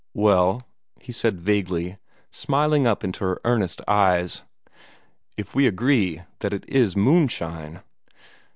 "Well," he said vaguely, smiling up into her earnest eyes, "if we agree that it IS moonshine."